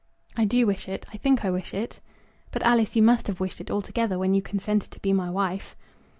"I do wish it. I think I wish it." "But, Alice, you must have wished it altogether when you consented to be my wife."